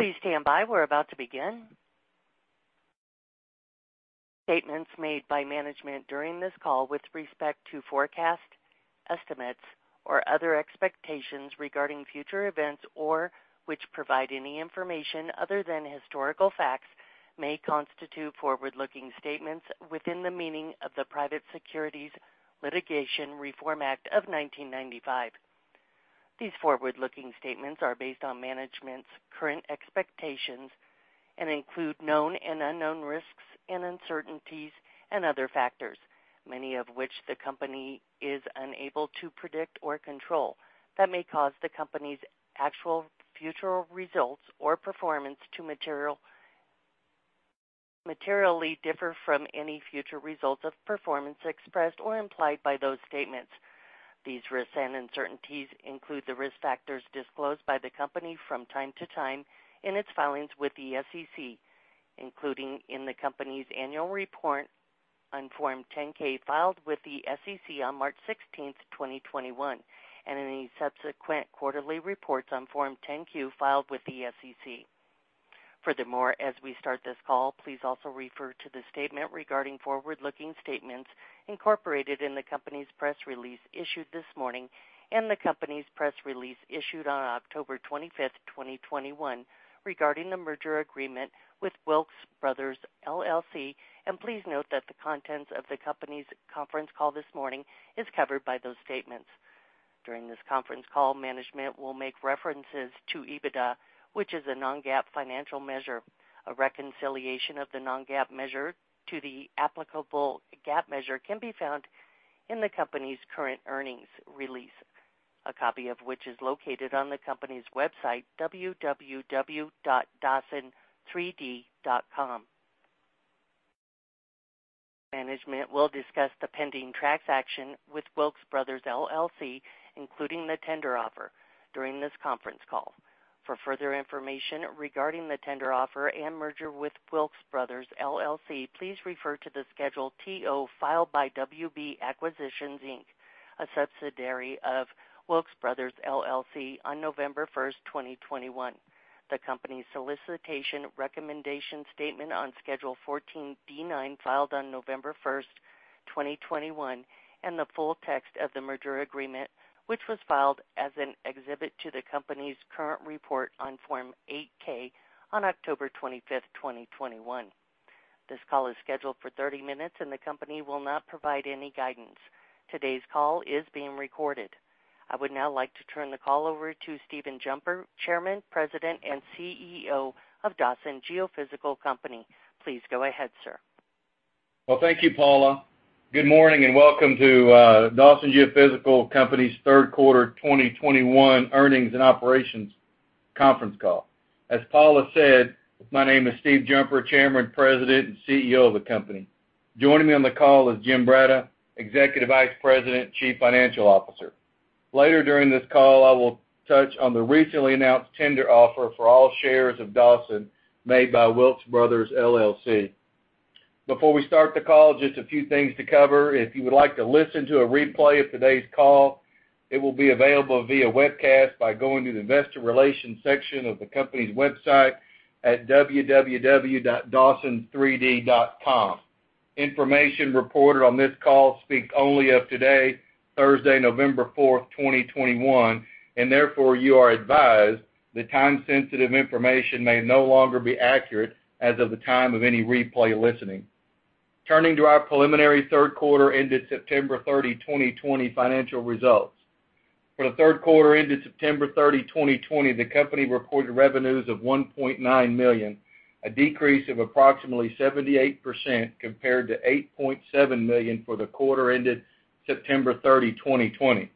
Please stand by. We're about to begin. Statements made by management during this call with respect to forecast, estimates, or other expectations regarding future events or which provide any information other than historical facts may constitute forward-looking statements within the meaning of the Private Securities Litigation Reform Act of 1995. These forward-looking statements are based on management's current expectations and include known and unknown risks and uncertainties and other factors, many of which the company is unable to predict or control, that may cause the company's actual future results or performance to materially differ from any future results or performance expressed or implied by those statements. These risks and uncertainties include the risk factors disclosed by the company from time to time in its filings with the SEC, including in the company's annual report on Form 10-K filed with the SEC on March 16, 2021, and any subsequent quarterly reports on Form 10-Q filed with the SEC. Furthermore, as we start this call, please also refer to the statement regarding forward-looking statements incorporated in the company's press release issued this morning and the company's press release issued on October 25, 2021, regarding the merger agreement with Wilks Brothers, LLC. Please note that the contents of the company's conference call this morning is covered by those statements. During this conference call, management will make references to EBITDA, which is a non-GAAP financial measure. A reconciliation of the non-GAAP measure to the applicable GAAP measure can be found in the company's current earnings release, a copy of which is located on the company's website, www.dawson3d.com. Management will discuss the pending transaction with Wilks Brothers, LLC, including the tender offer during this conference call. For further information regarding the tender offer and merger with Wilks Brothers, LLC, please refer to the Schedule TO filed by WB Acquisitions Inc., a subsidiary of Wilks Brothers, LLC on November 1, 2021, the company's solicitation/recommendation statement on Schedule 14D-9 filed on November 1, 2021, and the full text of the merger agreement, which was filed as an exhibit to the company's current report on Form 8-K on October 25, 2021. This call is scheduled for 30 minutes, and the company will not provide any guidance. Today's call is being recorded. I would now like to turn the call over to Stephen Jumper, Chairman, President, and CEO of Dawson Geophysical Company. Please go ahead, sir. Well, thank you, Paula. Good morning, and welcome to Dawson Geophysical Company's third quarter 2021 earnings and operations conference call. As Paula said, my name is Steve Jumper, Chairman, President, and CEO of the company. Joining me on the call is Jim Brata, Executive Vice President, Chief Financial Officer. Later during this call, I will touch on the recently announced tender offer for all shares of Dawson made by Wilks Brothers, LLC. Before we start the call, just a few things to cover. If you would like to listen to a replay of today's call, it will be available via webcast by going to the investor relations section of the company's website at www.dawson3d.com. Information reported on this call speaks only of today, Thursday, November 4, 2021, and therefore, you are advised that time-sensitive information may no longer be accurate as of the time of any replay listening. Turning to our preliminary third quarter ended September 30, 2020 financial results. For the third quarter ended September 30, 2020, the company reported revenues of $1.9 million, a decrease of approximately 78% compared to $8.7 million for the quarter ended September 30, 2020.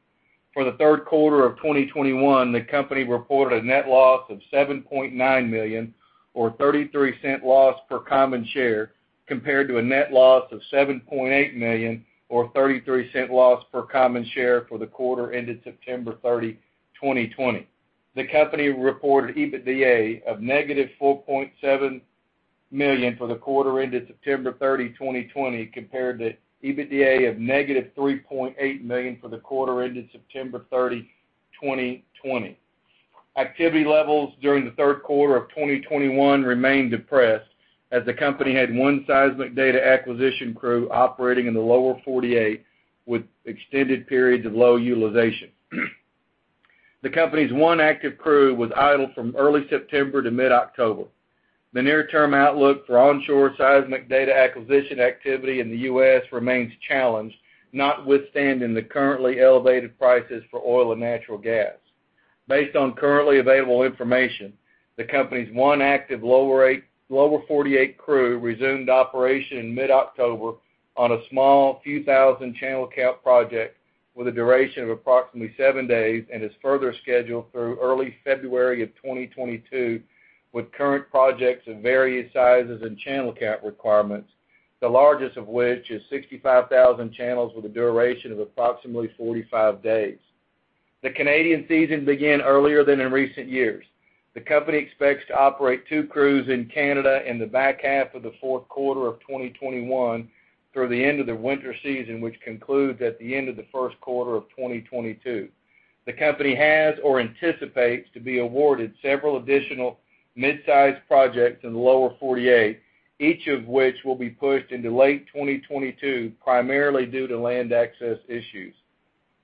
For the third quarter of 2021, the company reported a net loss of $7.9 million, or $0.33 loss per common share, compared to a net loss of $7.8 million or $0.33 loss per common share for the quarter ended September 30, 2020. The company reported EBITDA of negative $4.7 million for the quarter ended September 30, 2020, compared to EBITDA of negative $3.8 million for the quarter ended September 30, 2020. Activity levels during the third quarter of 2021 remained depressed as the company had one seismic data acquisition crew operating in the lower 48, with extended periods of low utilization. The company's one active crew was idle from early September to mid-October. The near-term outlook for onshore seismic data acquisition activity in the U.S. remains challenged, notwithstanding the currently elevated prices for oil and natural gas. Based on currently available information, the company's one active lower 48 crew resumed operation in mid-October on a small few thousand channel count project with a duration of approximately seven days and is further scheduled through early February 2022 with current projects of various sizes and channel count requirements, the largest of which is 65,000 channels with a duration of approximately 45 days. The Canadian season began earlier than in recent years. The company expects to operate two crews in Canada in the back half of the fourth quarter of 2021 through the end of the winter season, which concludes at the end of the first quarter of 2022. The company has or anticipates to be awarded several additional mid-sized projects in the lower 48, each of which will be pushed into late 2022, primarily due to land access issues.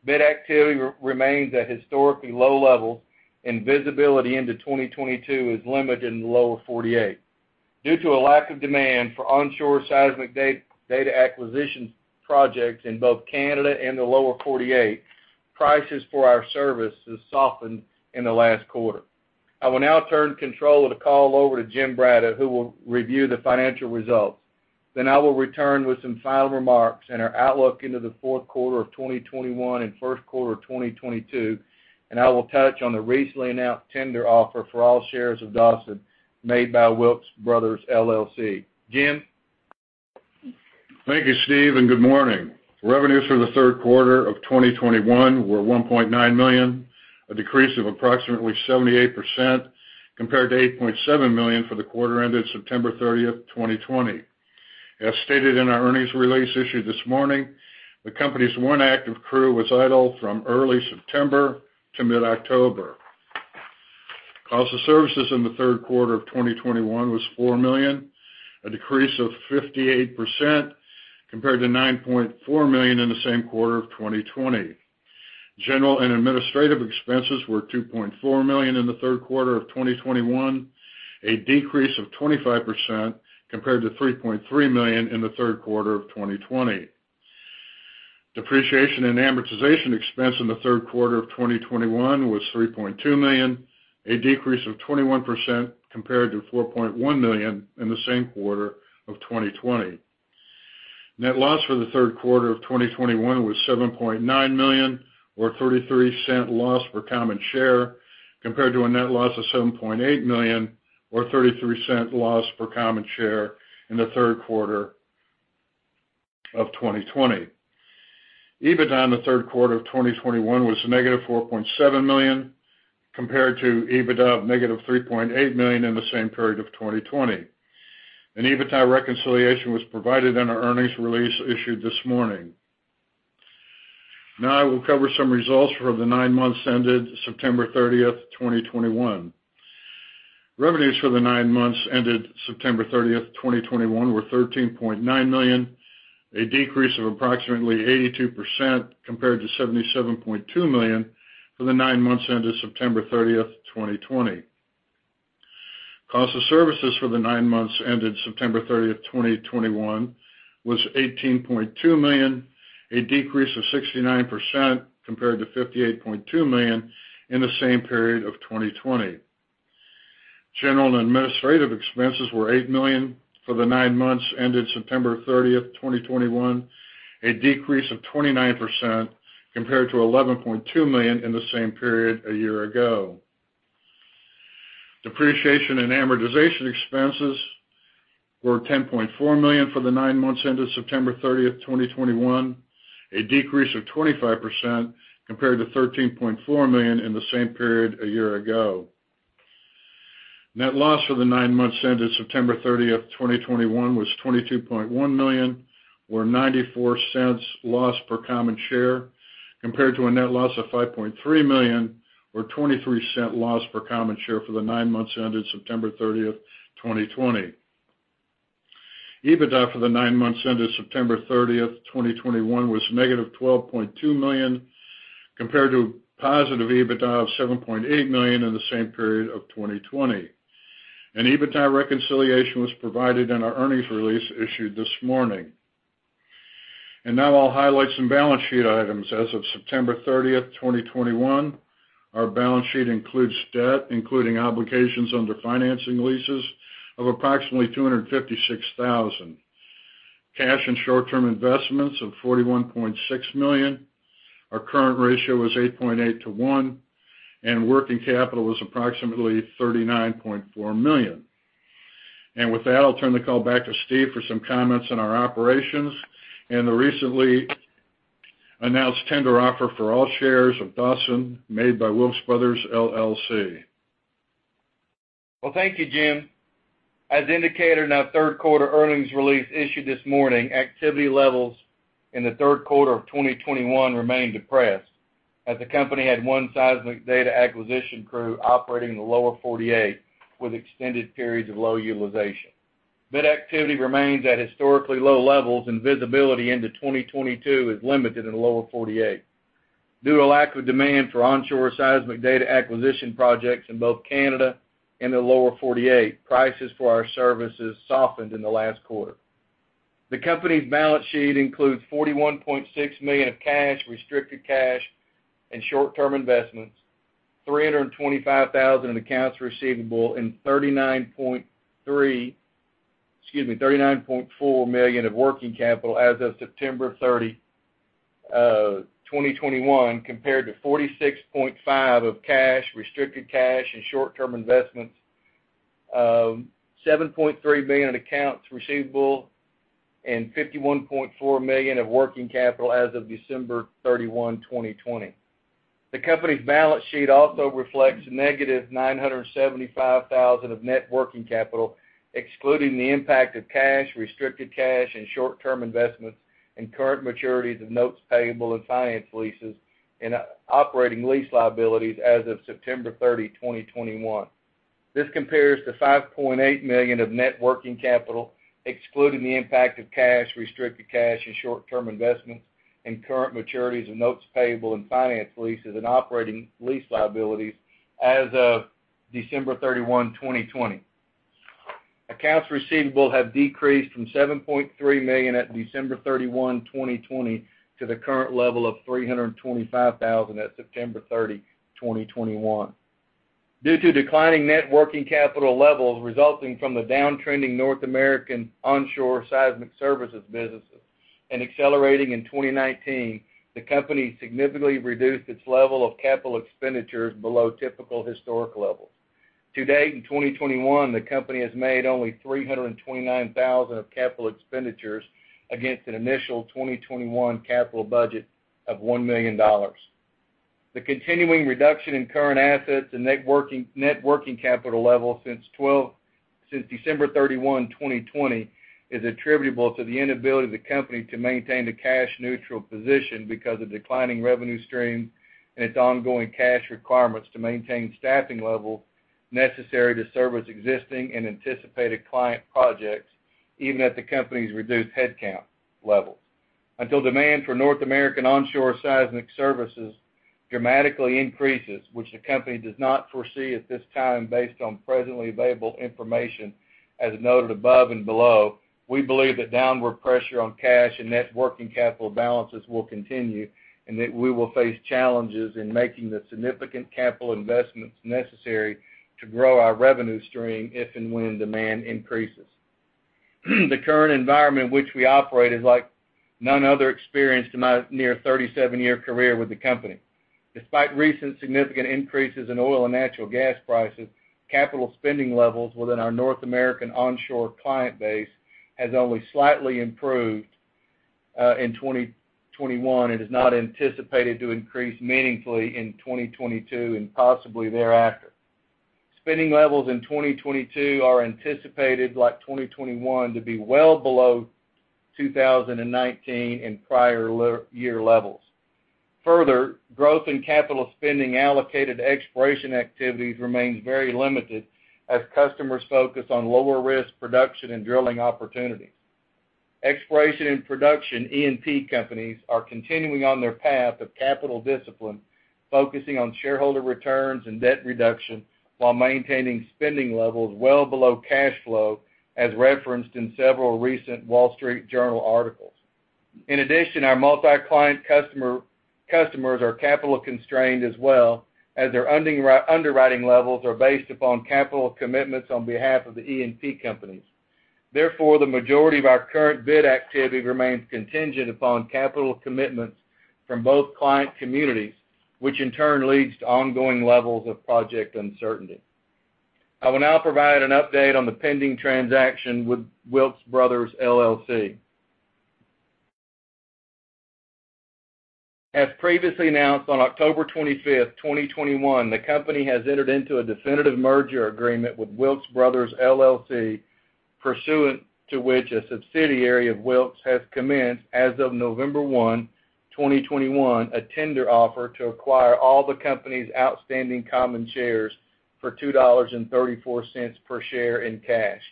Bid activity remains at historically low levels, and visibility into 2022 is limited in the lower forty-eight. Due to a lack of demand for onshore seismic data acquisition projects in both Canada and the lower 48, prices for our service has softened in the last quarter. I will now turn control of the over to Jim Brata, who will review the financial results. Then I will return with some final remarks and our outlook into the fourth quarter of 2021 and first quarter of 2022, and I will touch on the recently announced tender offer for all shares of Dawson made by Wilks Brothers, LLC. Jim? Thank you, Steve, and good morning. Revenues for the third quarter of 2021 were $1.9 million, a decrease of approximately 78% compared to $8.7 million for the quarter ended September 30, 2020. As stated in our earnings release issued this morning, the company's one active crew was idle from early September to mid-October. Cost of services in the third quarter of 2021 was $4 million, a decrease of 58% compared to $9.4 million in the same quarter of 2020. General and administrative expenses were $2.4 million in the third quarter of 2021, a decrease of 25% compared to $3.3 million in the third quarter of 2020. Depreciation and amortization expense in the third quarter of 2021 was $3.2 million, a decrease of 21% compared to $4.1 million in the same quarter of 2020. Net loss for the third quarter of 2021 was $7.9 million or $0.33 loss per common share, compared to a net loss of $7.8 million or $0.33 loss per common share in the third quarter of 2020. EBITDA in the third quarter of 2021 was -$4.7 million, compared to EBITDA of -$3.8 million in the same period of 2020. An EBITDA reconciliation was provided in our earnings release issued this morning. Now I will cover some results for the nine months ended September 30, 2021. Revenues for the nine months ended September 30, 2021 were $13.9 million, a decrease of approximately 82% compared to $77.2 million for the nine months ended September 30, 2020. Cost of services for the nine months ended September 30, 2021 was $18.2 million, a decrease of 69% compared to $58.2 million in the same period of 2020. General and administrative expenses were $8 million for the nine months ended September 30, 2021, a decrease of 29% compared to $11.2 million in the same period a year ago. Depreciation and amortization expenses were $10.4 million for the nine months ended September 30, 2021, a decrease of 25% compared to $13.4 million in the same period a year ago. Net loss for the nine months ended September 30, 2021 was $22.1 million, or $0.94 loss per common share, compared to a net loss of $5.3 million or $0.23 loss per common share for the nine months ended September 30, 2020. EBITDA for the nine months ended September 30, 2021 was negative $12.2 million, compared to positive EBITDA of $7.8 million in the same period of 2020. An EBITDA reconciliation was provided in our earnings release issued this morning. Now I'll highlight some balance sheet items. As of September 30, 2021, our balance sheet includes debt, including obligations under financing leases of approximately $256,000. Cash and short-term investments of $41.6 million. Our current ratio is 8.8 to 1, and working capital is approximately $39.4 million. With that, I'll turn the call back to Steve for some comments on our operations and the recently announced tender offer for all shares of Dawson made by Wilks Brothers, LLC. Well, thank you, Jim. As indicated in our third quarter earnings release issued this morning, activity levels in the third quarter of 2021 remained depressed as the company had one seismic data acquisition crew operating in the lower 48 with extended periods of low utilization. Bid activity remains at historically low levels, and visibility into 2022 is limited in the lower 48. Due to a lack of demand for onshore seismic data acquisition projects in both Canada and the lower 48, prices for our services softened in the last quarter. The company's balance sheet includes $41.6 million of cash, restricted cash and short-term investments, $325,000 in accounts receivable and $39.4 million of working capital as of September 30, 2021, compared to $46.5 million of cash, restricted cash and short-term investments, $7.3 million in accounts receivable and $51.4 million of working capital as of December 31, 2020. The company's balance sheet also reflects -$975,000 of net working capital, excluding the impact of cash, restricted cash and short-term investments and current maturities of notes payable and finance leases and operating lease liabilities as of September 30, 2021. This compares to $5.8 million of net working capital, excluding the impact of cash, restricted cash and short-term investments and current maturities of notes payable and finance leases and operating lease liabilities as of December 31, 2020. Accounts receivable have decreased from $7.3 million at December 31, 2020 to the current level of $325,000 at September 30, 2021. Due to declining net working capital levels resulting from the downtrending North American onshore seismic services businesses and accelerating in 2019, the company significantly reduced its level of capital expenditures below typical historic levels. To date, in 2021, the company has made only $329,000 of capital expenditures against an initial 2021 capital budget of $1 million. The continuing reduction in current assets and net working capital levels since December 31, 2020 is attributable to the inability of the company to maintain a cash neutral position because of declining revenue stream and its ongoing cash requirements to maintain staffing level necessary to service existing and anticipated client projects, even at the company's reduced headcount levels. Until demand for North American onshore seismic services dramatically increases, which the company does not foresee at this time based on presently available information, as noted above and below, we believe that downward pressure on cash and net working capital balances will continue and that we will face challenges in making the significant capital investments necessary to grow our revenue stream if and when demand increases. The current environment in which we operate is like none other experienced in my near 37-year career with the company. Despite recent significant increases in oil and natural gas prices, capital spending levels within our North American onshore client base has only slightly improved in 2021 and is not anticipated to increase meaningfully in 2022 and possibly thereafter. Spending levels in 2022 are anticipated, like 2021, to be well below 2019 and prior year levels. Further, growth in capital spending allocated to exploration activities remains very limited as customers focus on lower risk production and drilling opportunities. Exploration and production, E&P companies, are continuing on their path of capital discipline, focusing on shareholder returns and debt reduction while maintaining spending levels well below cash flow, as referenced in several recent Wall Street Journal articles. In addition, our multi-client customers are capital constrained as well, as their underwriting levels are based upon capital commitments on behalf of the E&P companies. Therefore, the majority of our current bid activity remains contingent upon capital commitments from both client communities, which in turn leads to ongoing levels of project uncertainty. I will now provide an update on the pending transaction with Wilks Brothers, LLC. As previously announced on October 25, 2021, the company has entered into a definitive merger agreement with Wilks Brothers, LLC, pursuant to which a subsidiary of Wilks has commenced, as of November 1, 2021, a tender offer to acquire all the company's outstanding common shares for $2.34 per share in cash.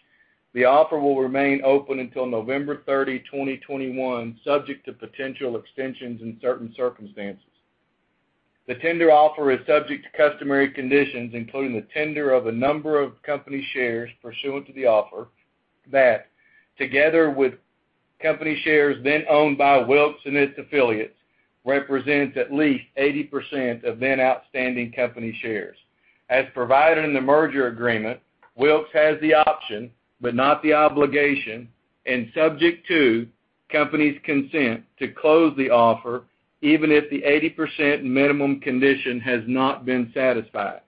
The offer will remain open until November 30, 2021, subject to potential extensions in certain circumstances. The tender offer is subject to customary conditions, including the tender of a number of company shares pursuant to the offer that, together with company shares then owned by Wilks and its affiliates, represents at least 80% of then outstanding company shares. As provided in the merger agreement, Wilks has the option, but not the obligation, and subject to company's consent to close the offer even if the 80% minimum condition has not been satisfied.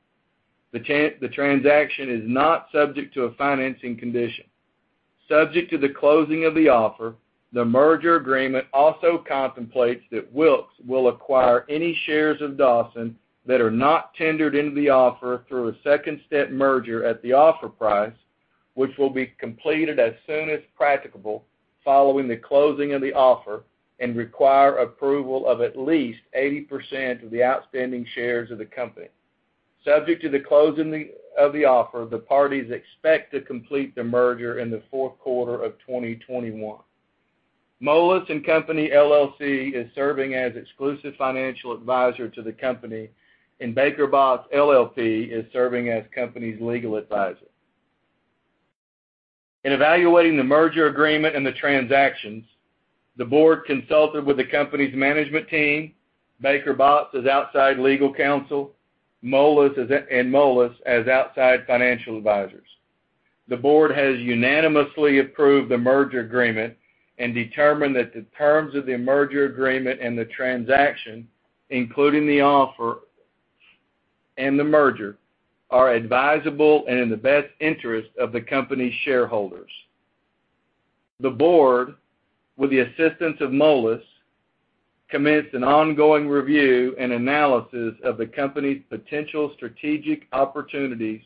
The transaction is not subject to a financing condition. Subject to the closing of the offer, the merger agreement also contemplates that Wilks will acquire any shares of Dawson that are not tendered into the offer through a second-step merger at the offer price, which will be completed as soon as practicable following the closing of the offer and require approval of at least 80% of the outstanding shares of the company. Subject to the closing of the offer, the parties expect to complete the merger in the fourth quarter of 2021. Moelis & Company LLC is serving as exclusive financial advisor to the company, and Baker Botts L.L.P. is serving as company's legal advisor. In evaluating the merger agreement and the transactions, the board consulted with the company's management team, Baker Botts as outside legal counsel, and Moelis as outside financial advisors. The board has unanimously approved the merger agreement and determined that the terms of the merger agreement and the transaction, including the offer and the merger, are advisable and in the best interest of the company's shareholders. The board, with the assistance of Moelis, commenced an ongoing review and analysis of the company's potential strategic opportunities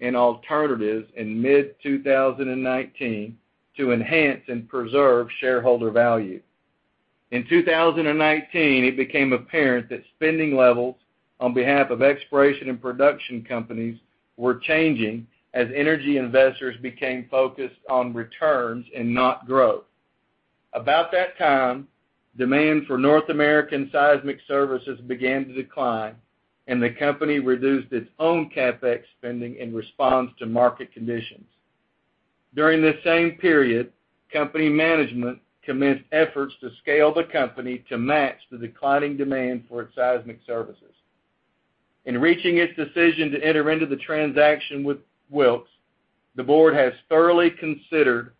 and alternatives in mid-2019 to enhance and preserve shareholder value. In 2019, it became apparent that spending levels on behalf of exploration and production companies were changing as energy investors became focused on returns and not growth. About that time, demand for North American seismic services began to decline, and the company reduced its own CapEx spending in response to market conditions. During this same period, company management commenced efforts to scale the company to match the declining demand for its seismic services. In reaching its decision to enter into the transaction with Wilks, the board has thoroughly considered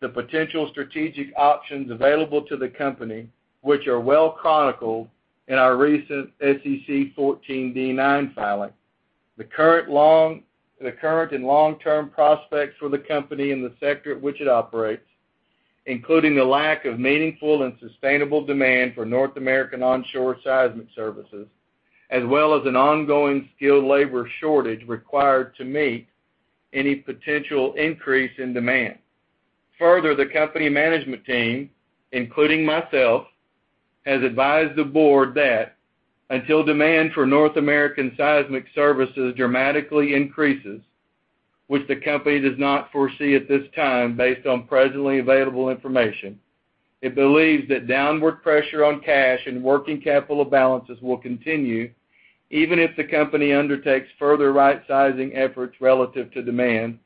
the potential strategic options available to the company, which are well chronicled in our recent SEC 14D-9 filing. The current and long-term prospects for the company in the sector which it operates, including the lack of meaningful and sustainable demand for North American onshore seismic services, as well as an ongoing skilled labor shortage required to meet any potential increase in demand. Further, the company management team, including myself, has advised the board that until demand for North American onshore seismic services dramatically increases, which the company does not foresee at this time based on presently available information, it believes that downward pressure on cash and working capital balances will continue even if the company undertakes further rightsizing efforts relative to demand,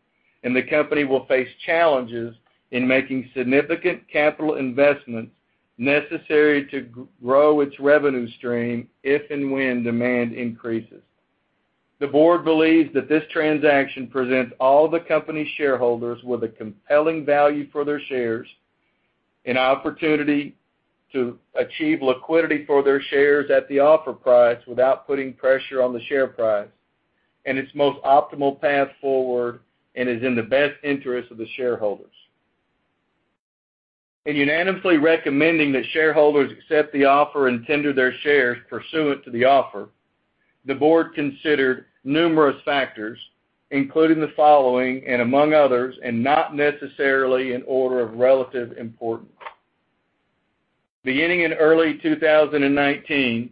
and the company will face challenges in making significant capital investments necessary to grow its revenue stream if and when demand increases. The board believes that this transaction presents all the company's shareholders with a compelling value for their shares, an opportunity to achieve liquidity for their shares at the offer price without putting pressure on the share price, and its most optimal path forward and is in the best interest of the shareholders. In unanimously recommending that shareholders accept the offer and tender their shares pursuant to the offer, the board considered numerous factors, including the following, and among others, and not necessarily in order of relative importance. Beginning in early 2019,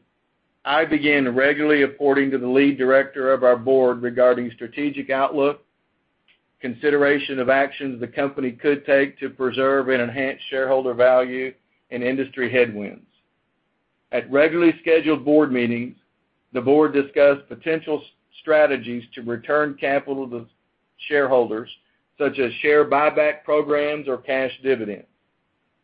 I began regularly reporting to the lead director of our board regarding strategic outlook, consideration of actions the company could take to preserve and enhance shareholder value and industry headwinds. At regularly scheduled board meetings, the board discussed potential strategies to return capital to shareholders, such as share buyback programs or cash dividends.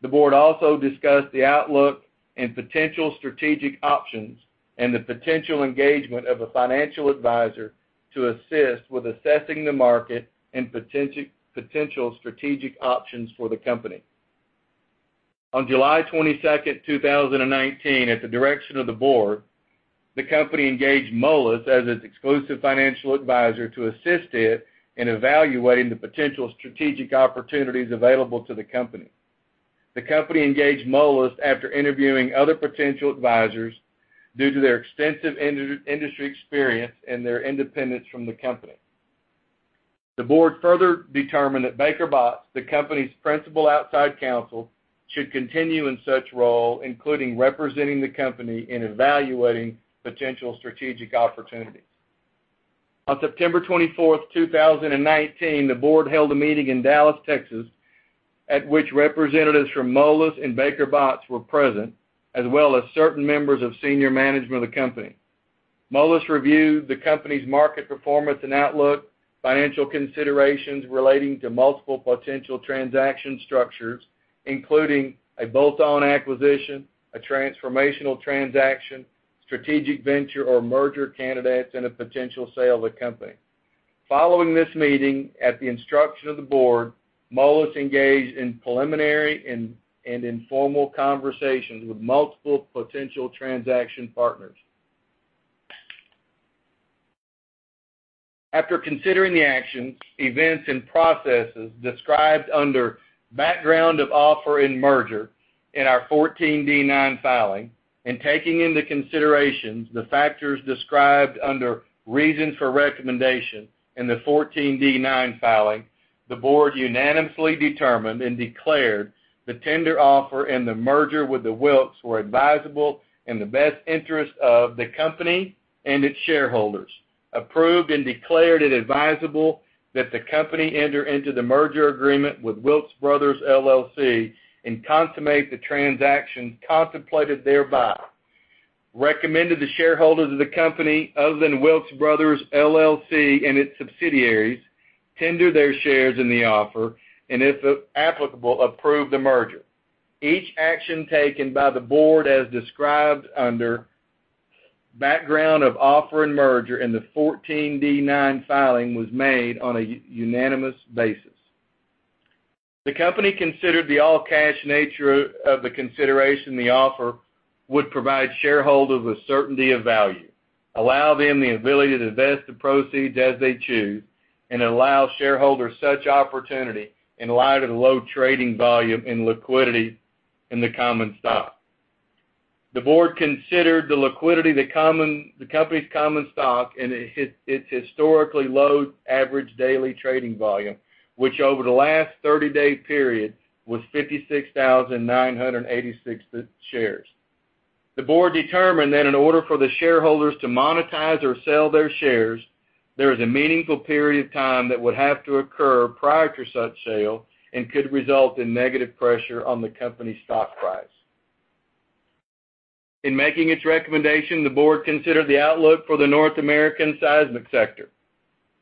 The board also discussed the outlook and potential strategic options and the potential engagement of a financial advisor to assist with assessing the market and potential strategic options for the company. On July 22, 2019, at the direction of the board, the company engaged Moelis as its exclusive financial advisor to assist it in evaluating the potential strategic opportunities available to the company. The company engaged Moelis after interviewing other potential advisors due to their extensive industry experience and their independence from the company. The board further determined that Baker Botts, the company's principal outside counsel, should continue in such role, including representing the company in evaluating potential strategic opportunities. On September 24, 2019, the board held a meeting in Dallas, Texas, at which representatives from Moelis and Baker Botts were present, as well as certain members of senior management of the company. Moelis reviewed the company's market performance and outlook, financial considerations relating to multiple potential transaction structures, including a bolt-on acquisition, a transformational transaction, strategic venture or merger candidates, and a potential sale of the company. Following this meeting, at the instruction of the board, Moelis engaged in preliminary and informal conversations with multiple potential transaction partners. After considering the actions, events, and processes described under "Background of Offer and Merger" in our 14D-9 filing, and taking into consideration the factors described under "Reasons for Recommendation" in the 14D-9 filing, the board unanimously determined and declared the tender offer and the merger with the Wilks were advisable in the best interest of the company and its shareholders. Approved and declared it advisable that the company enter into the merger agreement with Wilks Brothers, LLC, and consummate the transaction contemplated thereby. Recommended the shareholders of the company other than Wilks Brothers, LLC and its subsidiaries tender their shares in the offer, and if applicable, approve the merger. Each action taken by the board as described under "Background of Offer and Merger" in the 14D-9 filing was made on a unanimous basis. The company considered the all-cash nature of the consideration the offer would provide shareholders with certainty of value, allow them the ability to invest the proceeds as they choose, and allow shareholders such opportunity in light of the low trading volume and liquidity in the common stock. The board considered the liquidity, the company's common stock and its historically low average daily trading volume, which over the last 30-day period was 56,986 shares. The board determined that in order for the shareholders to monetize or sell their shares, there is a meaningful period of time that would have to occur prior to such sale and could result in negative pressure on the company's stock price. In making its recommendation, the board considered the outlook for the North American seismic sector.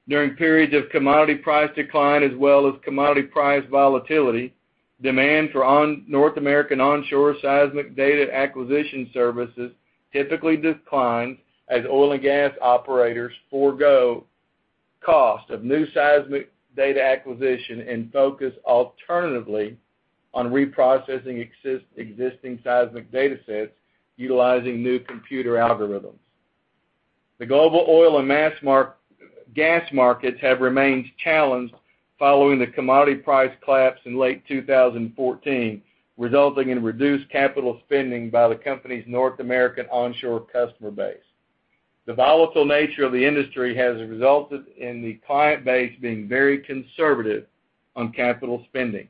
During periods of commodity price decline as well as commodity price volatility, demand for North American onshore seismic data acquisition services typically decline as oil and gas operators forego cost of new seismic data acquisition and focus alternatively on reprocessing existing seismic datasets utilizing new computer algorithms. The global oil and gas markets have remained challenged following the commodity price collapse in late 2014, resulting in reduced capital spending by the company's North American onshore customer base. The volatile nature of the industry has resulted in the client base being very conservative on capital spending.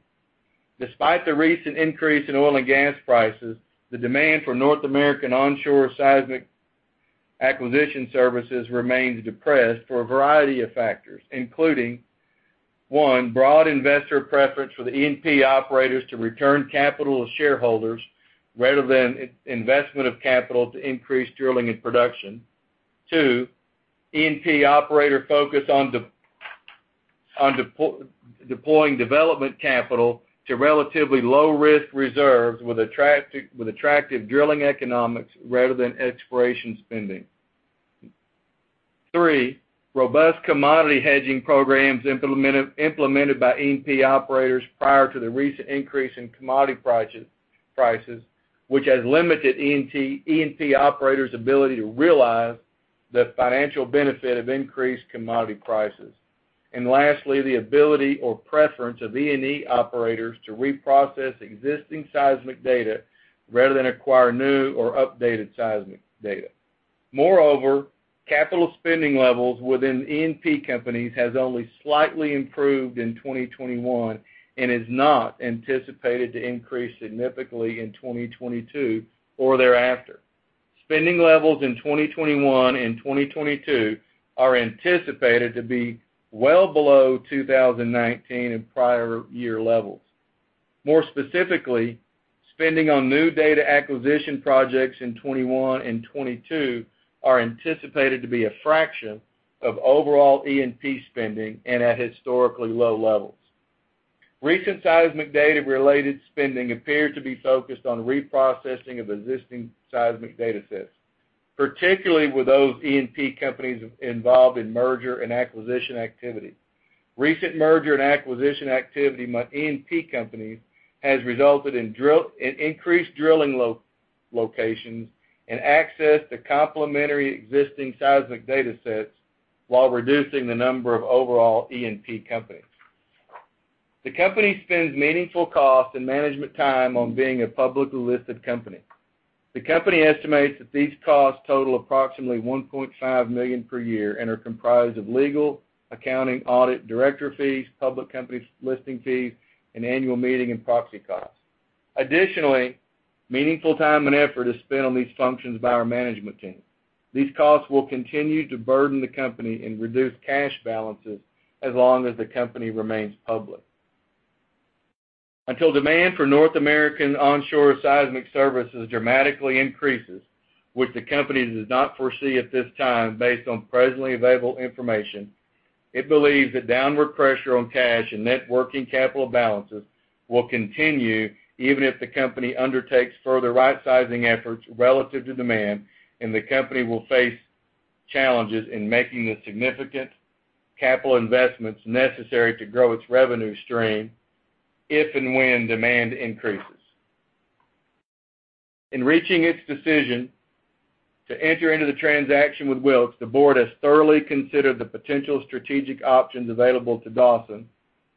Despite the recent increase in oil and gas prices, the demand for North American onshore seismic acquisition services remains depressed for a variety of factors, including one, broad investor preference for the E&P operators to return capital to shareholders rather than investment of capital to increase drilling and production. Two, E&P operator focus on deploying development capital to relatively low-risk reserves with attractive drilling economics rather than exploration spending. Three, robust commodity hedging programs implemented by E&P operators prior to the recent increase in commodity prices, which has limited E&P operators' ability to realize the financial benefit of increased commodity prices. Lastly, the ability or preference of E&P operators to reprocess existing seismic data rather than acquire new or updated seismic data. Moreover, capital spending levels within E&P companies has only slightly improved in 2021 and is not anticipated to increase significantly in 2022 or thereafter. Spending levels in 2021 and 2022 are anticipated to be well below 2019 and prior year levels. More specifically, spending on new data acquisition projects in 2021 and 2022 are anticipated to be a fraction of overall E&P spending and at historically low levels. Recent seismic data-related spending appeared to be focused on reprocessing of existing seismic datasets, particularly with those E&P companies involved in merger and acquisition activity. Recent merger and acquisition activity by E&P companies has resulted in increased drilling locations and access to complementary existing seismic datasets while reducing the number of overall E&P companies. The company spends meaningful cost and management time on being a publicly listed company. The company estimates that these costs total approximately $1.5 million per year and are comprised of legal, accounting, audit, director fees, public company listing fees, and annual meeting and proxy costs. Additionally, meaningful time and effort is spent on these functions by our management team. These costs will continue to burden the company and reduce cash balances as long as the company remains public. Until demand for North American onshore seismic services dramatically increases, which the company does not foresee at this time based on presently available information, it believes that downward pressure on cash and net working capital balances will continue even if the company undertakes further rightsizing efforts relative to demand, and the company will face challenges in making the significant capital investments necessary to grow its revenue stream if and when demand increases. In reaching its decision to enter into the transaction with Wilks, the board has thoroughly considered the potential strategic options available to Dawson,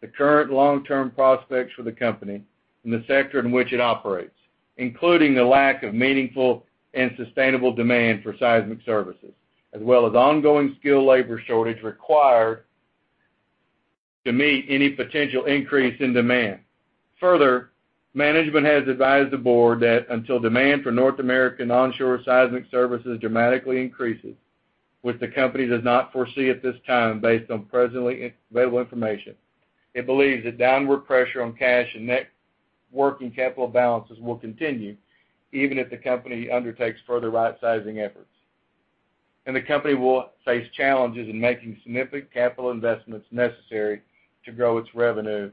the current long-term prospects for the company and the sector in which it operates, including the lack of meaningful and sustainable demand for seismic services, as well as ongoing skilled labor shortage required to meet any potential increase in demand. Further, management has advised the board that until demand for North American onshore seismic services dramatically increases, which the company does not foresee at this time based on presently available information, it believes that downward pressure on cash and net working capital balances will continue even if the company undertakes further rightsizing efforts. The company will face challenges in making significant capital investments necessary to grow its revenue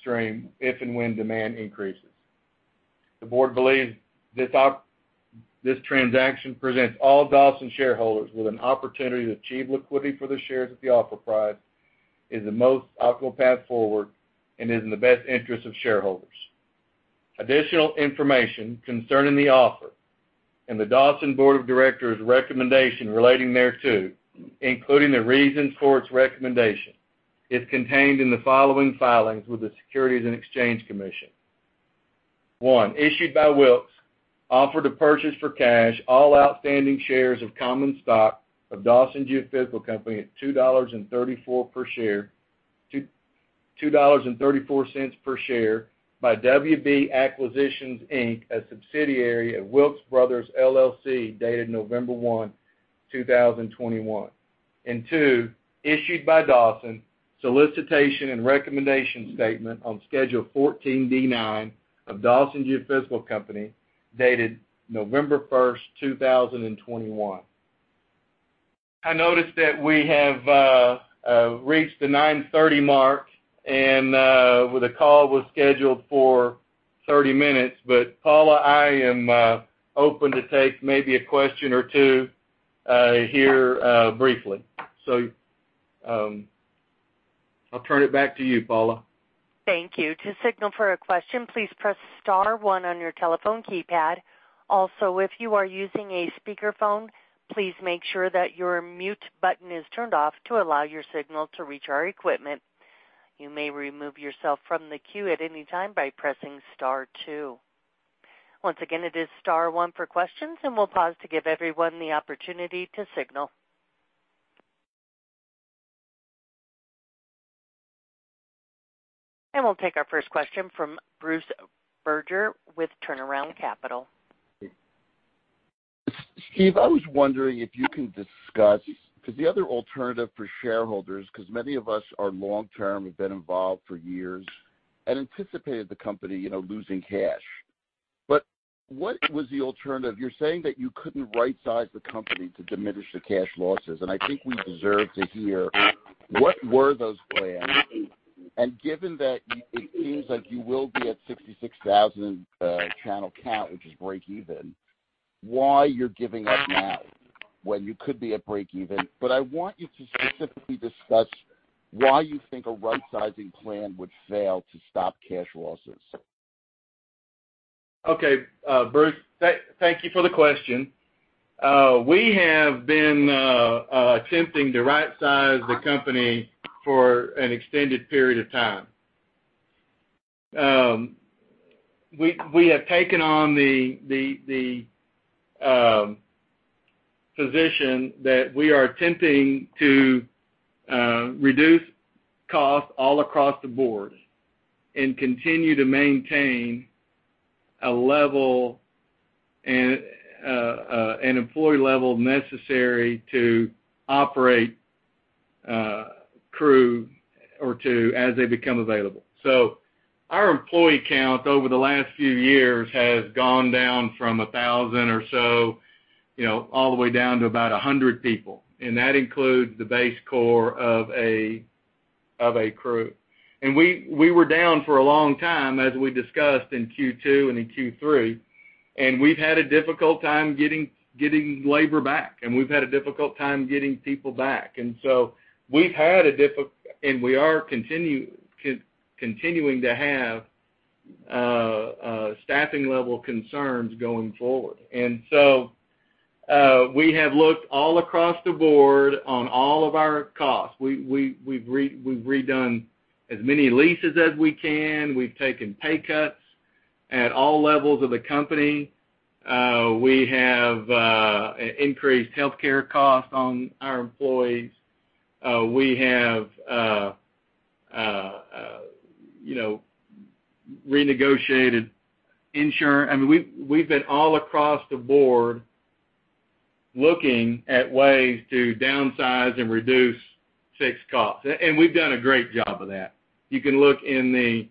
stream if and when demand increases. The board believes this transaction presents all Dawson shareholders with an opportunity to achieve liquidity for the shares at the offer price, is the most optimal path forward, and is in the best interest of shareholders. Additional information concerning the offer and the Dawson Board of Directors' recommendation relating thereto, including the reasons for its recommendation is contained in the following filings with the Securities and Exchange Commission. One, issued by Wilks, offer to purchase for cash all outstanding shares of common stock of Dawson Geophysical Company at $2.34 per share by WB Acquisitions Inc., a subsidiary of Wilks Brothers, LLC, dated November 1, 2021. Two, issued by Dawson, solicitation and recommendation statement on Schedule 14D-9 of Dawson Geophysical Company, dated November 1, 2021. I noticed that we have reached the 9:30 mark and the call was scheduled for 30 minutes. Paula, I am open to take maybe a question or two here briefly. I'll turn it back to you, Paula. Thank you. To signal for a question, please press star one on your telephone keypad. Also, if you are using a speakerphone, please make sure that your mute button is turned off to allow your signal to reach our equipment. You may remove yourself from the queue at any time by pressing star two. Once again, it is star one for questions, and we'll pause to give everyone the opportunity to signal. We'll take our first question from Bruce Berger with Turnaround Capital. Steve, I was wondering if you can discuss, 'cause the other alternative for shareholders, 'cause many of us are long-term, we've been involved for years and anticipated the company, you know, losing cash. What was the alternative? You're saying that you couldn't right size the company to diminish the cash losses, and I think we deserve to hear what were those plans. Given that it seems like you will be at 66,000 channel count, which is break even, why you're giving up now when you could be at break even? I want you to specifically discuss why you think a rightsizing plan would fail to stop cash losses. Okay, Bruce, thank you for the question. We have been attempting to right size the company for an extended period of time. We have taken on the position that we are attempting to reduce costs all across the board and continue to maintain a level and an employee level necessary to operate a crew or two as they become available. Our employee count over the last few years has gone down from 1,000 or so, you know, all the way down to about 100 people, and that includes the base core of a crew. We were down for a long time, as we discussed in Q2 and in Q3, and we've had a difficult time getting labor back, and we've had a difficult time getting people back. We've had and we are continuing to have staffing level concerns going forward. We have looked all across the board at all of our costs. We've redone as many leases as we can. We've taken pay cuts at all levels of the company. We have, you know, renegotiated insurance. I mean, we've been all across the board looking at ways to downsize and reduce fixed costs, and we've done a great job of that. You can look in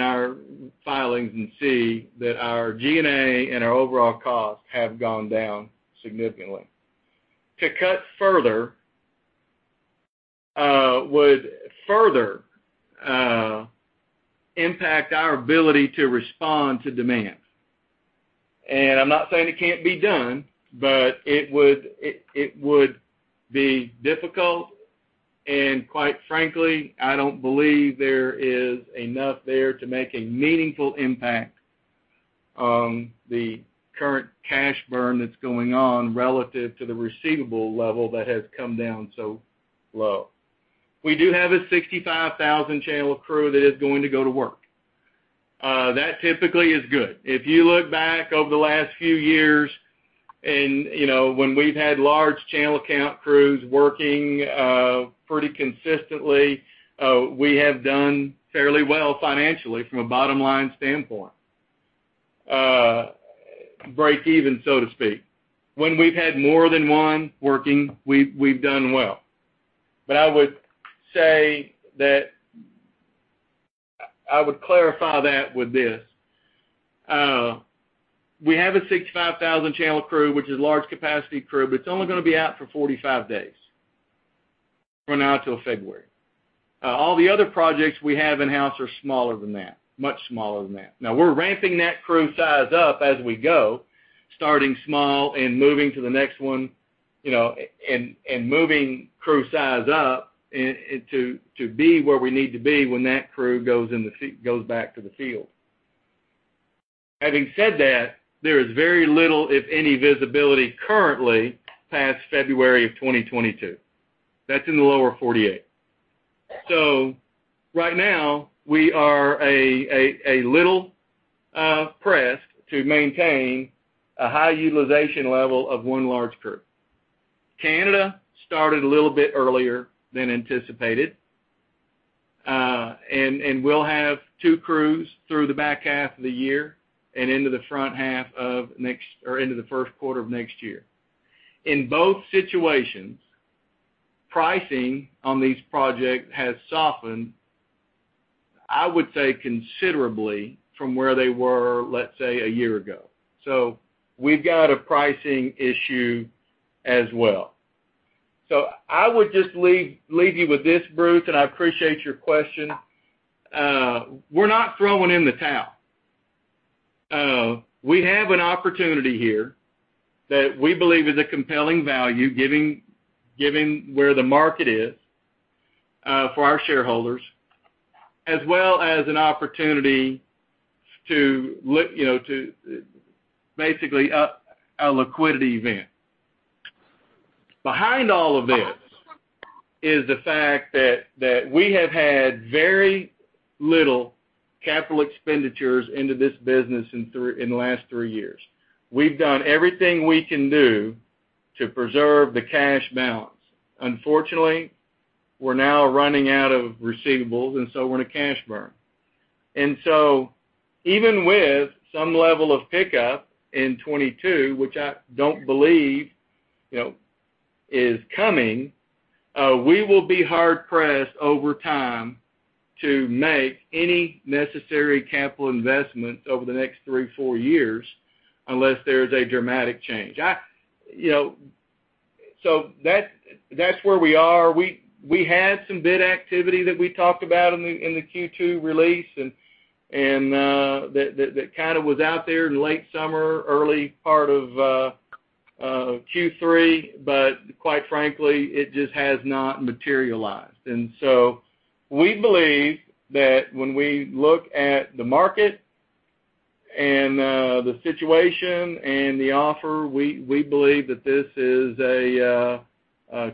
our filings and see that our G&A and our overall costs have gone down significantly. To cut further would further impact our ability to respond to demands. I'm not saying it can't be done, but it would be difficult. Quite frankly, I don't believe there is enough there to make a meaningful impact on the current cash burn that's going on relative to the receivable level that has come down so low. We do have a 65,000-channel crew that is going to go to work. That typically is good. If you look back over the last few years and, you know, when we've had large channel count crews working pretty consistently, we have done fairly well financially from a bottom-line standpoint, break even, so to speak. When we've had more than one working, we've done well. I would say that I would clarify that with this. We have a 65,000-channel crew, which is large capacity crew, but it's only gonna be out for 45 days from now till February. All the other projects we have in-house are smaller than that, much smaller than that. Now we're ramping that crew size up as we go, starting small and moving to the next one, you know, and moving crew size up to be where we need to be when that crew goes back to the field. Having said that, there is very little, if any, visibility currently past February 2022. That's in the lower 48. Right now we are a little pressed to maintain a high utilization level of one large crew. Canada started a little bit earlier than anticipated, and we'll have two crews through the back half of the year and into the first quarter of next year. In both situations, pricing on these projects has softened, I would say considerably from where they were, let's say, a year ago. We've got a pricing issue as well. I would just leave you with this, Bruce, and I appreciate your question. We're not throwing in the towel. We have an opportunity here that we believe is a compelling value given where the market is for our shareholders, as well as an opportunity to, you know, basically line up a liquidity event. Behind all of this is the fact that we have had very little capital expenditures into this business in the last three years. We've done everything we can do to preserve the cash balance. Unfortunately, we're now running out of receivables, and so we're in a cash burn. Even with some level of pickup in 2022, which I don't believe, you know, is coming, we will be hard pressed over time to make any necessary capital investments over the next three, four years unless there is a dramatic change. You know, so that's where we are. We had some bid activity that we talked about in the Q2 release, and that kind of was out there in late summer, early part of Q3. Quite frankly, it just has not materialized. We believe that when we look at the market and the situation and the offer, we believe that this is a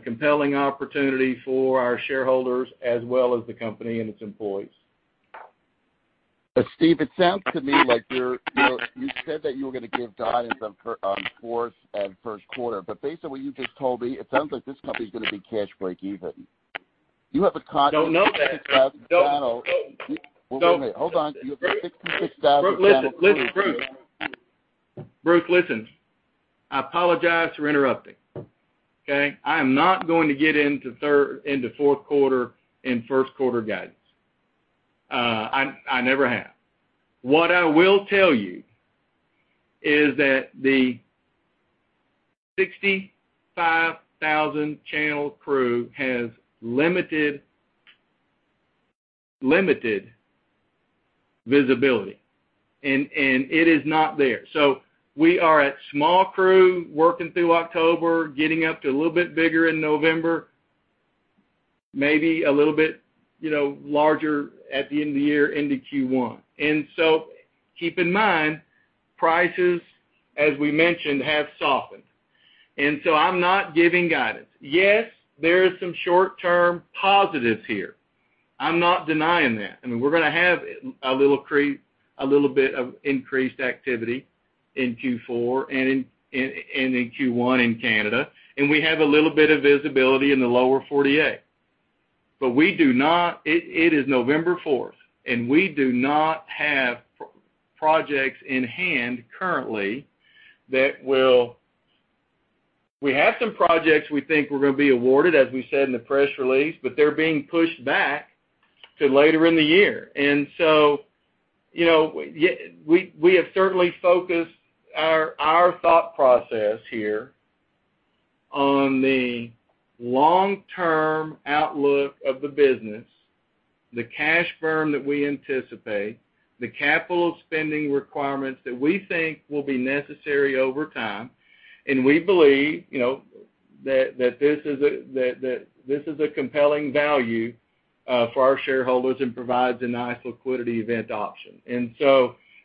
compelling opportunity for our shareholders as well as the company and its employees. Steve, it sounds to me like you said that you were gonna give guidance on fourth and first quarter, but based on what you just told me, it sounds like this company is gonna be cash breakeven. You have a con- Don't know that. Hold on. You have a 66,000 channel- Listen, Bruce. I apologize for interrupting. Okay? I am not going to get into fourth quarter and first quarter guidance. I never have. What I will tell you is that the 65,000 channel crew has limited visibility, and it is not there. We are at small crew working through October, getting up to a little bit bigger in November, maybe a little bit, you know, larger at the end of the year into Q1. Keep in mind, prices, as we mentioned, have softened. I'm not giving guidance. Yes, there is some short term positives here. I'm not denying that. I mean, we're gonna have a little bit of increased activity in Q4 and in Q1 in Canada, and we have a little bit of visibility in the lower 48. It is November fourth, and we do not have projects in hand currently. We have some projects we think we're gonna be awarded, as we said in the press release, but they're being pushed back to later in the year. You know, we have certainly focused our thought process here on the long-term outlook of the business, the cash burn that we anticipate, the capital spending requirements that we think will be necessary over time. We believe, you know, that this is a compelling value for our shareholders and provides a nice liquidity event option.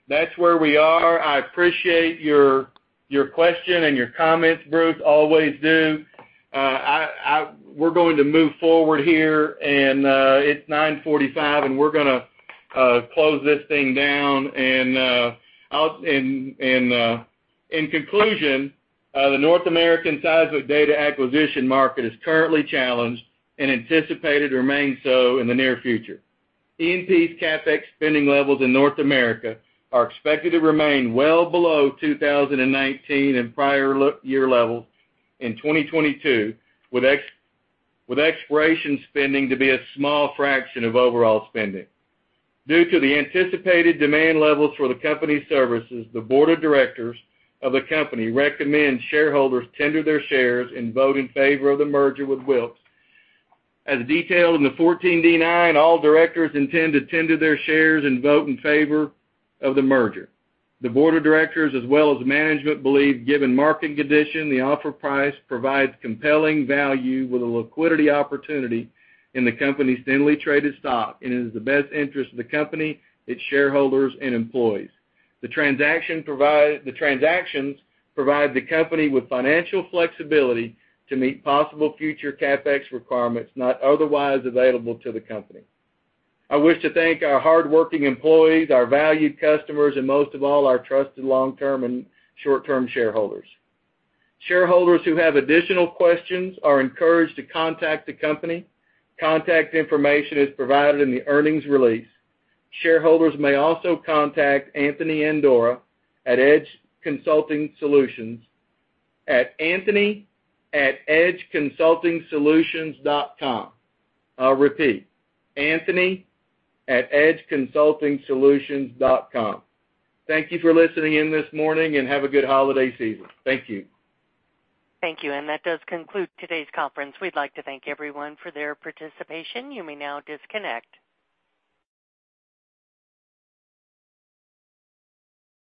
That's where we are. I appreciate your question and your comments, Bruce. I always do. We're going to move forward here, and it's 9:45, and we're gonna close this thing down. In conclusion, the North American seismic data acquisition market is currently challenged and anticipated to remain so in the near future. E&P's CapEx spending levels in North America are expected to remain well below 2019 and prior year levels in 2022, with exploration spending to be a small fraction of overall spending. Due to the anticipated demand levels for the company's services, the board of directors of the company recommend shareholders tender their shares and vote in favor of the merger with Wilks. As detailed in the 14D-9, all directors intend to tender their shares and vote in favor of the merger. The board of directors as well as management believe, given market condition, the offer price provides compelling value with a liquidity opportunity in the company's thinly traded stock and is in the best interest of the company, its shareholders and employees. The transactions provide the company with financial flexibility to meet possible future CapEx requirements not otherwise available to the company. I wish to thank our hardworking employees, our valued customers, and most of all, our trusted long-term and short-term shareholders. Shareholders who have additional questions are encouraged to contact the company. Contact information is provided in the earnings release. Shareholders may also contact Anthony Andora at Edge Consulting Solutions at anthony@edgeconsultingsolutions.com. I'll repeat: anthony@edgeconsultingsolutions.com. Thank you for listening in this morning, and have a good holiday season. Thank you. Thank you. That does conclude today's conference. We'd like to thank everyone for their participation. You may now disconnect.